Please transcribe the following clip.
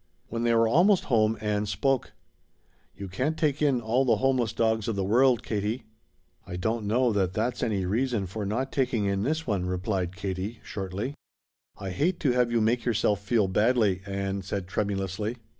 When they were almost home Ann spoke. "You can't take in all the homeless dogs of the world, Katie." "I don't know that that's any reason for not taking in this one," replied Katie shortly. "I hate to have you make yourself feel badly," Ann said tremulously.